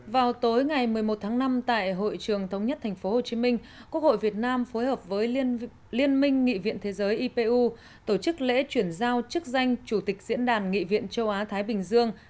vào tối ngày một mươi một tháng năm tại hội trường thống nhất tp hcm quốc hội việt nam phối hợp với liên minh nghị viện thế giới ipu tổ chức lễ chuyển giao chức danh chủ tịch diễn đàn nghị viện châu á thái bình dương